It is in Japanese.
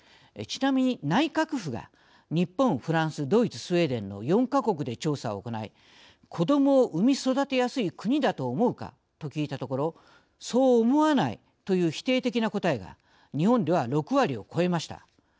ちなみに内閣府が日本フランスドイツスウェーデンの４か国で調査を行い子どもを産み育てやすい国だと思うかと聞いたところそう思わないという否定的な答えが日本では６割を超えました。